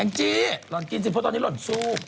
แอ๊งจี้รอนกินสิเพราะตอนนี้รอนสู้